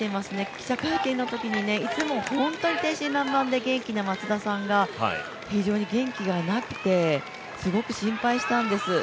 記者会見のときにいつも本当に天真爛漫で元気な松田さんが非常に元気がなくて、すごく心配したんです。